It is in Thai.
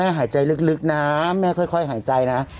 หายใจลึกนะแม่ค่อยหายใจนะ